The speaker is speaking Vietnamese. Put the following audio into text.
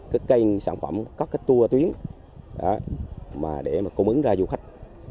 cái cây sản phẩm có cái tour tuyến để mà cung ứng ra du khách